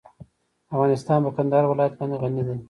افغانستان په کندهار ولایت باندې غني دی.